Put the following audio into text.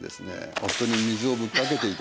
夫に水をぶっかけていた。